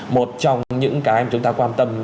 một trong những cái chúng ta quan tâm